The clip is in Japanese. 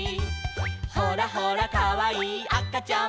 「ほらほらかわいいあかちゃんも」